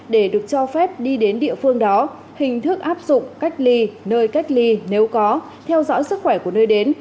để được cho phép đi đến địa phương đó hình thức áp dụng cách ly nơi cách ly nếu có theo dõi sức khỏe của nơi đến